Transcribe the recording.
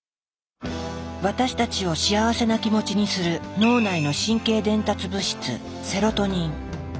私たちを幸せな気持ちにする脳内の神経伝達物質セロトニン。